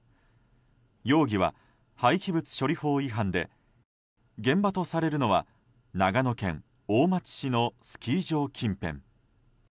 容疑は廃棄物処理法違反で現場とされるのは長野県大町市のスキー場近辺。